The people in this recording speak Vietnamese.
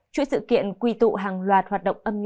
chuỗi sự kiện quy tụ hàng loạt hoạt động âm nhạc